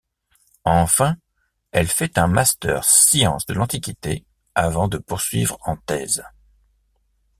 Enfin, elle fait un master sciences de l'Antiquité avant de poursuivre en thèse.